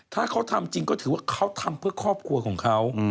ถ้าเขาทำจริงก็ถือว่าเขาทำเพื่อครอบครัวของเขา